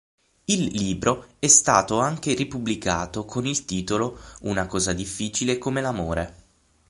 Il libro è stato anche ripubblicato con il titolo "Una cosa difficile come l'amore".